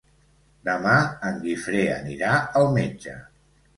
Demà en Guifré anirà al metge.